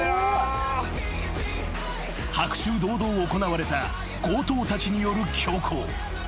［白昼堂々行われた強盗たちによる凶行］